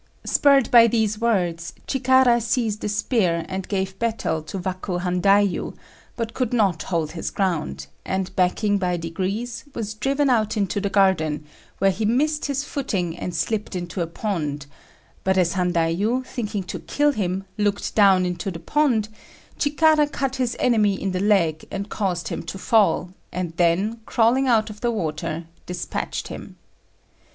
Spurred by these words, Chikara seized a spear and gave battle to Waku Handaiyu, but could not hold his ground, and backing by degrees, was driven out into the garden, where he missed his footing and slipped into a pond, but as Handaiyu, thinking to kill him, looked down into the pond, Chikara cut his enemy in the leg and caused him to fall, and then, crawling out of the water dispatched him.